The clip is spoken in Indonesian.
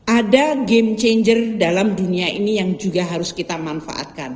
ada game changer dalam dunia ini yang juga harus kita manfaatkan